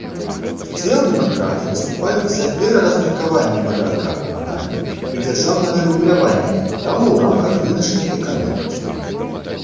Сацыял-дэмакраты выступаюць за пераразмеркаванне падаткаабкладання і дзяржаўнага рэгулявання капіталу ў рамках рыначнай эканомікі.